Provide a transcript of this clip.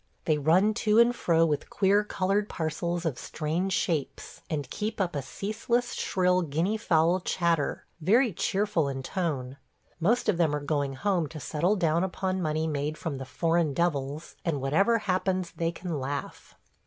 They run to and fro with queer colored parcels of strange shapes and keep up a ceaseless, shrill, guinea fowl chatter, very cheerful in tone. Most of them are going home to settle down upon money made from the "foreign devils," and whatever happens they can laugh.